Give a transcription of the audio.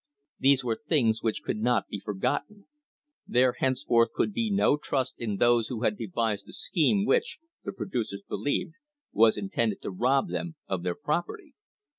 These were things which could not be forgotten. There henceforth could be no trust in those who had devised a scheme which, the producers believed, was intended to rob them of their property.